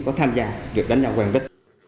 có tham gia việc đánh nhau hoàn tất